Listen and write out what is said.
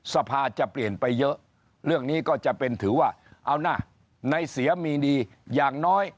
สภาจะเปลี่ยนไปเยอะเรื่องนี้ก็จะเป็นถือว่าเอานะในเสียมีดีอย่างน้อย